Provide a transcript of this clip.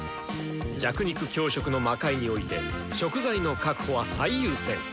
弱肉強食の魔界において食材の確保は最優先！